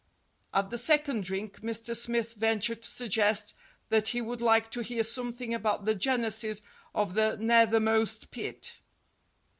At the second drink Mr. Smith ventured to suggest that he would like to hear something about the genesis of "The Nethermost Pit."